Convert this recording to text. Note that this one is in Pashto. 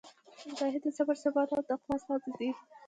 مجاهد د صبر، ثبات او تقوا استازی دی.